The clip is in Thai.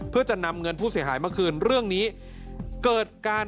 เพื่อจะนำเงินผู้เสียหายมาคืนเรื่องนี้เกิดการ